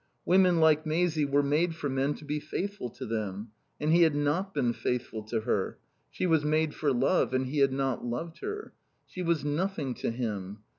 Women like Maisie were made for men to be faithful to them. And he had not been faithful to her. She was made for love and he had not loved her. She was nothing to him.